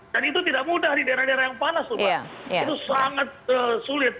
dan itu tidak mudah di daerah daerah yang panas itu sangat sulit